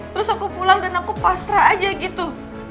terus aku pulang dan aku pasrah aja gitu